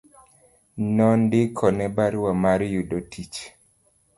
Nondikone barua mar yudo tich